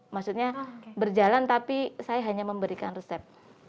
maksudnya berjalan tapi saya hanya memberikan resep